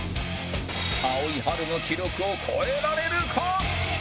青井春の記録を超えられるか？